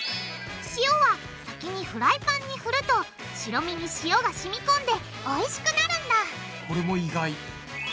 塩は先にフライパンにふると白身に塩がしみこんでおいしくなるんだこれも意外。